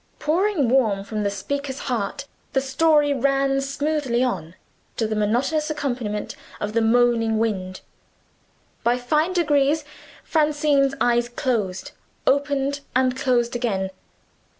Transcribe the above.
Pouring warm from the speaker's heart the story ran smoothly on, to the monotonous accompaniment of the moaning wind. By fine degrees Francine's eyes closed, opened and closed again.